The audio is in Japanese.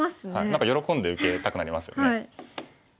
何か喜んで受けたくなりますよね。